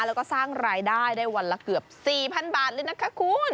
แล้วก็สร้างรายได้ได้วันละเกือบ๔๐๐๐บาทเลยนะคะคุณ